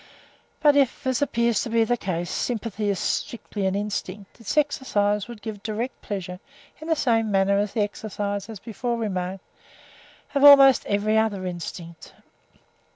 But if, as appears to be the case, sympathy is strictly an instinct, its exercise would give direct pleasure, in the same manner as the exercise, as before remarked, of almost every other instinct.)